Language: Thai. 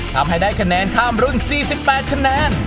ทำให้ได้คะแนนข้ามรุ่น๔๘คะแนน